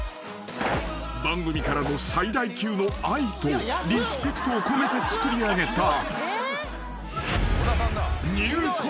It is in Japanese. ［番組からの最大級の愛とリスペクトを込めて作りあげた］